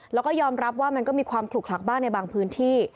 แล้วก็ยอมรับว่ามันก็มีความขลุกคลักบ้างในบางพื้นที่